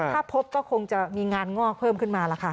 ถ้าพบก็คงจะมีงานงอกเพิ่มขึ้นมาล่ะค่ะ